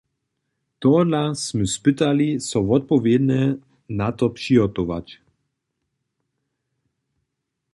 Tohodla smy spytali so wotpowědnje na to přihotować.